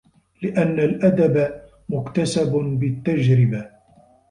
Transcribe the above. لِأَنَّ الْأَدَبَ مُكْتَسَبٌ بِالتَّجْرِبَةِ